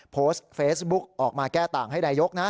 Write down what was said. โพสต์เฟซบุ๊กออกมาแก้ต่างให้นายกนะ